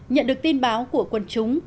nhận được tin báo của quần chúng